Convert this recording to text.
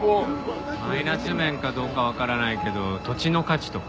マイナス面かどうかわからないけど土地の価値とか。